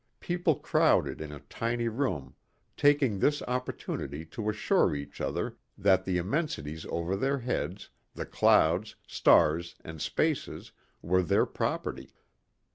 People crowded in a tiny room taking this opportunity to assure each other that the immensities over their heads, the clouds, stars and spaces were their property.